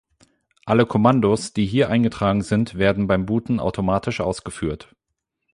Alle Kommandos, die hier eingetragen sind, werden beim Booten automatisch ausgeführt.